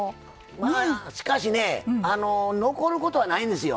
しかしね残ることはないですよ。